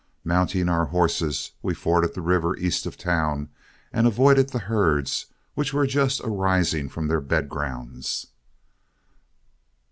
Mounting our horses, we forded the river east of town and avoided the herds, which were just arising from their bed grounds.